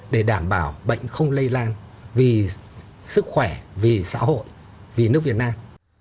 để đảm bảo bệnh không lây lan vì sức khỏe vì xã hội vì nước việt nam